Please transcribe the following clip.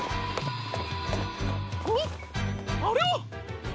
あっあれは！